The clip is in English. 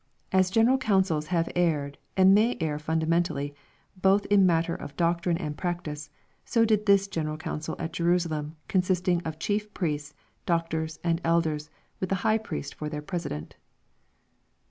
" As general councils have erred, and may err funda mentally, both in matter of doctrine and practice, so did this gen eral council at Jerusalem, consisting of Chief Priests, Doctors, and Elders, with the High Priest for their president."